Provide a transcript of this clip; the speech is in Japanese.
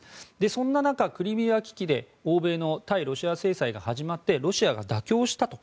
そんな中、クリミア危機で欧米の対ロシア制裁が始まってロシアが妥協したと。